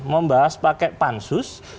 membahas pakai pansus